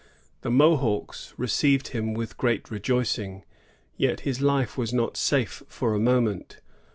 "^ The Mohawks received him with great rejoicing; yet his life was not safe for a moment.